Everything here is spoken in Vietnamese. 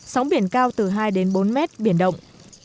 sóng biển cao từ hai đến bốn mét biển động